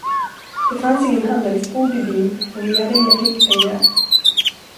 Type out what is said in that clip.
Det fanns ingen handelsbod i byn och vi hade inga fickpengar.